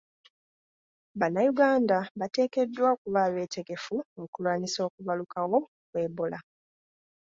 Bannayuganda bateekeddwa okuba abeetegefu okulwanisa okubalukawo kwa ebola.